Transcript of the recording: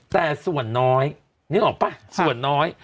แต่ส่วนน้อยนึกออกป่ะส่วนน้อย